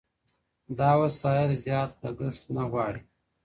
دا وسايل زيات لګښت نه غواړي.